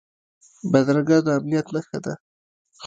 بدرګه د امنیت نښه ده